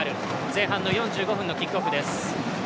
前半の４５分のキックオフです。